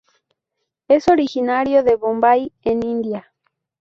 Es originario de Bombay en India.